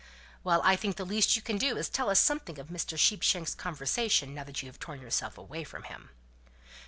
"Well, I think the least you can do is to tell us something of Mr. Sheepshanks' conversation now you have torn yourself away from him."